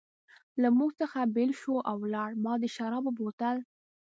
له موږ څخه بېل شو او ولاړ، ما د شرابو بوتل.